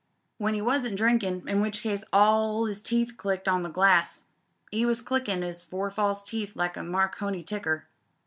When he wasn't drinkin', in which case all 'b teeth clicked on the glass, 'e was clickin' 'is four false teeth like a Marconi ticker.